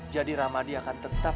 jadi ramadi akan tetap